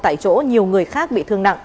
tại chỗ nhiều người khác bị thương nặng